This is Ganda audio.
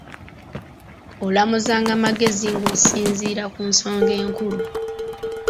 Olamuzanga magezi ng’osinziira ku nsonga enkulu.